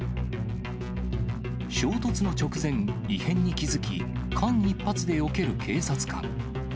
衝突の直前、異変に気付き、間一髪でよける警察官。